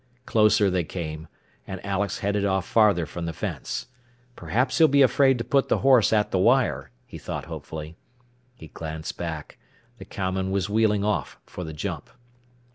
Closer they came, and Alex headed off farther from the fence. Perhaps he'll be afraid to put the horse at the wire, he thought hopefully. He glanced back. The cowman was wheeling off for the jump.